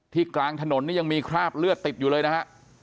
กลางถนนนี่ยังมีคราบเลือดติดอยู่เลยนะฮะ